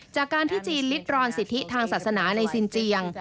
จากการที่จีนลิดรอนสิทธิทางศาสนาในสินเจียง